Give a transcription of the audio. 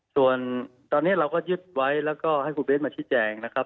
ส่วนตอนนี้เราก็ยึดไว้แล้วก็ให้คุณเบสมาชี้แจงนะครับ